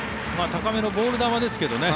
高めのボール球ですけどね。